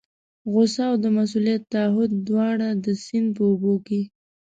غوسه او د مسؤلیت تعهد دواړه د سیند په اوبو کې.